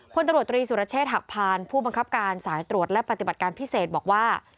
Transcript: พลตำรวจตรีสุรเชษฐหักพานผู้บังคับการสายตรวจและปฏิบัติการพิเศษบอกว่า